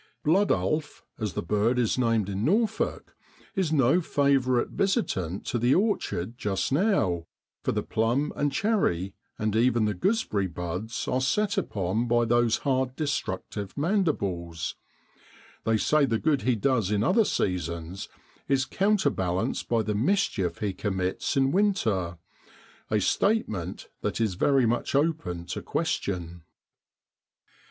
' Blood ulf,' as the bird is named in Norfolk, is no favour ite visitant to the orchard just now, for the plum and cherry, and even the goose berry buds are set upon by those hard destructive mandibles ; they say the good he does in other seasons is counterbalanced by the mischief he commits in winter, a statement that is very much open to question.